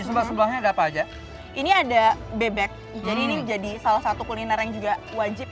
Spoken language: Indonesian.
nicholas bawahnya ada apa aja ini ada bebek jadinya jadi salah satu kuliner yang juga wajib